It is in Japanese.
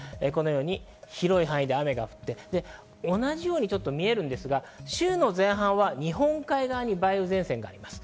広い範囲で雨が降って同じように見えるんですが、週の前半は日本海側に梅雨前線があります。